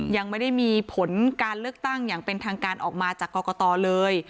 ยังไม่ได้มีผลการเลือกตั้งอย่างเป็นทางการออกมาจากกรกตเลย